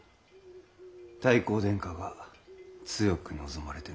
太閤殿下が強く望まれてな。